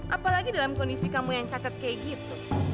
apalagi dalam kondisi kamu yang cakep kayak gitu